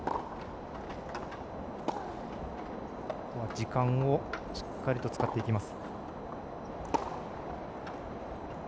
時間をしっかりと使っていきます。